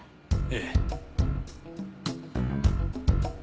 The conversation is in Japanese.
ええ。